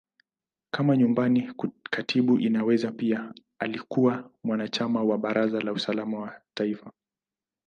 Kama Nyumbani Katibu, Inaweza pia alikuwa mwanachama wa Baraza la Usalama wa Taifa.